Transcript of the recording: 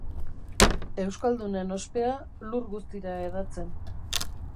Euskaldunen ospea lur guztira hedatzen.